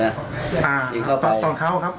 อ่าต้องเข้าครับหลายไม่เห็น